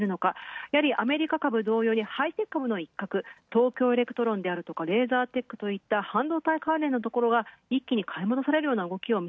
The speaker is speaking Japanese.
やはりアメリカ株同様にハイテク株のいっかく、東京エレクトロンなどレーザーテックといった半導体関連のところが一気に買い戻されました。